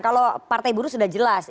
kalau partai buruh sudah jelas